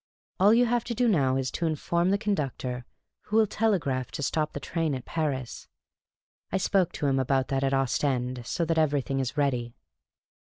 All you will have to do now is to inform the conductor, who will telegraph to stop the train to Paris. I spoke to him about that at Ostend, so that everything is ready."